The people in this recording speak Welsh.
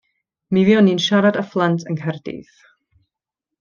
Mi fuon ni'n siarad â phlant yng Nghaerdydd.